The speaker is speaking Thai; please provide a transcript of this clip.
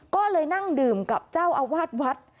ก็เลยนั่งดื่มกับเจ้าอาวาสวัด